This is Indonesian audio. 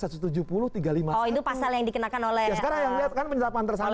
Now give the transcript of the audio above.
oh itu pasal yang dikenakan oleh